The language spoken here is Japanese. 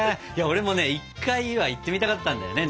俺もね１回は行ってみたかったんだよね。